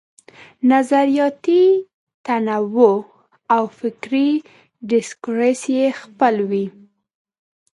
نظریاتي تنوع او فکري ډسکورس یې خپل وي.